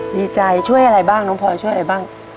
ดีใจช่วยอะไรบ้างน้องพลอยช่วยอะไรบ้าง